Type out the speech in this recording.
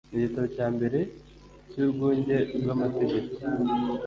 n igitabo cya mbere cy Urwunge rw Amategeko